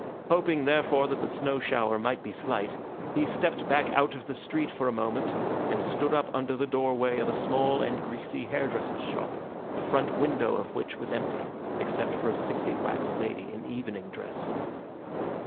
Hoping, therefore, that the snow shower might be slight, he stepped back out of the street for a moment and stood up under the doorway of a small and greasy hair dresser's shop, the front window of which was empty, except for a sickly wax lady in evening dress.